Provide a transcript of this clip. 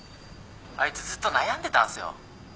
あいつずっと悩んでたんすよ。